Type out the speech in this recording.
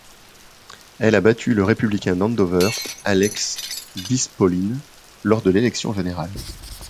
Elle a battu le républicain d'Andover, Alex Vispolin lors de l'élection générale.